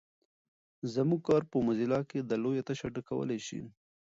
زموږ کار په موزیلا کې دا لویه تشه ډکولای شي.